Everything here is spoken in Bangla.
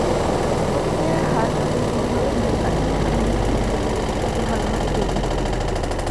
প্রক্রিয়ার হার যত ধীর হবে, মূল কাঠামোর আণুবীক্ষণিক প্রতিলিপি তত ভালভাবে তৈরি হবে।